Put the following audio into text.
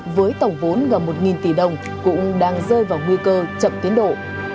với tổng vốn gần một tỷ đồng cũng đang rơi vào nguy cơ chậm tiến độ